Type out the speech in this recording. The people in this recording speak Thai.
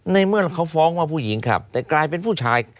ในเมื่อเขาฟ้องว่าผู้หญิงขับแต่กลายเป็นผู้ชาย